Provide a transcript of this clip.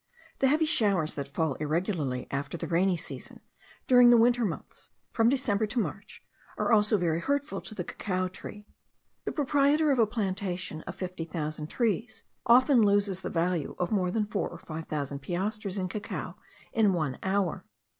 The heavy showers that fall irregularly after the rainy season, during the winter months, from December to March, are also very hurtful to the cacao tree. The proprietor of a plantation of fifty thousand trees often loses the value of more than four or five thousand piastres in cacao in one hour.